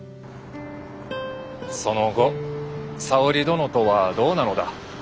その後沙織殿とはどうなのだ？